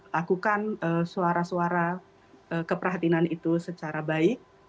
lakukan suara suara keprihatinan itu secara baik